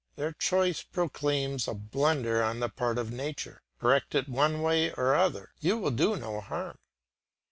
Their choice proclaims a blunder on the part of nature; correct it one way or other, you will do no harm.